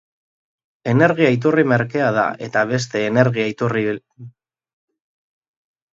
Energia-iturri merkea da eta beste energia-iturriekin lehiatzeko gai da.